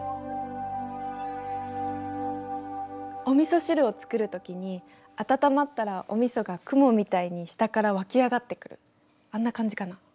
おみそ汁を作るときに温まったらおみそが雲みたいに下から湧き上がってくるあんな感じかな。